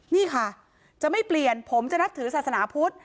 นี่ค่ะจะไม่เปลี่ยนผมจะนับถือศาสนาพุทธ